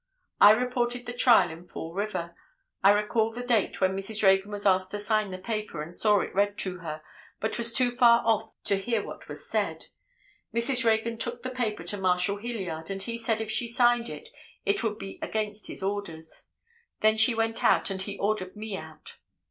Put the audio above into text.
"I reported the trial in Fall River; I recall the date when Mrs. Reagan was asked to sign the paper, and saw it read to her, but was too far off to hear what was said; Mrs. Reagan took the paper to Marshal Hilliard and he said if she signed it, it would be against his orders; then she went out and he ordered me out."